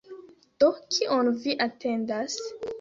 Do, kion vi atendas?